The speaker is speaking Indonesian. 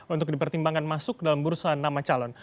untuk dipertimbangkan masuk dalam bursa nama calon